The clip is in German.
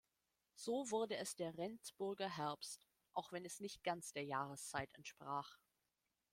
So wurde es der „Rendsburger Herbst“, auch wenn es nicht ganz der Jahreszeit entsprach.